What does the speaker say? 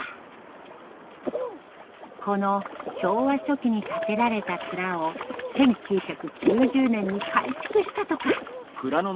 この昭和初期に建てられた蔵を１９９０年に改築したとか。